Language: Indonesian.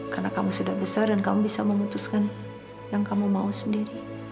karena kamu sudah besar dan kamu bisa memutuskan yang kamu mau sendiri